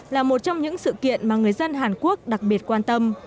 là một trong những sự kiện mà người dân hàn quốc đặc biệt quan tâm